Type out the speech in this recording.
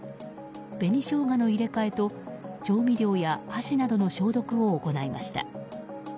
紅ショウガの入れ替えと調味料や箸などの消毒を行いました。